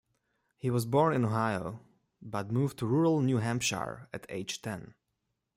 He was born in Ohio but moved to rural New Hampshire at age ten.